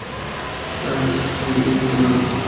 La restricción de fibrados.